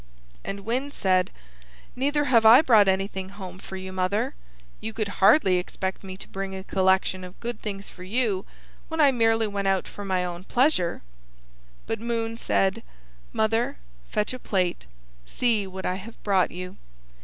And Wind said, "Neither have I brought anything home for you, mother. You could hardly expect me to bring a collection of good things for you, when I merely went out for my own pleasure." But Moon said, "Mother, fetch a plate, see what I have brought you."